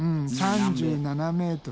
３７ｍ！？